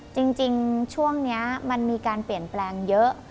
จริงช่วงนี้มันมีการเปลี่ยนแปลงเยอะ